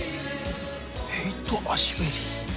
ヘイト・アシュベリー。